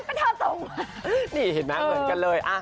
ก็เธอส่งนี่เห็นมั้ยเหมือนกันเลย